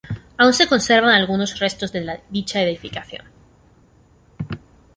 Aún se conservan algunos restos de dicha edificación.